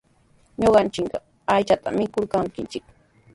Ñuqanchik aychata mikurqanchik.